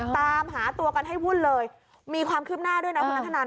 ตามหาตัวกันให้วุ่นเลยมีความคืบหน้าด้วยนะคุณนัทธนัน